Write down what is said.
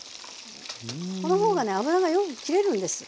この方がね油がよく切れるんです。